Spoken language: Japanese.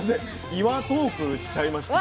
「岩トーク」しちゃいました。